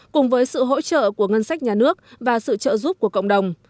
cùng với sự hỗ trợ của ngân sách nhà nước và sự trợ giúp của cộng đồng